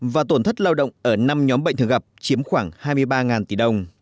và tổn thất lao động ở năm nhóm bệnh thường gặp chiếm khoảng hai mươi ba tỷ đồng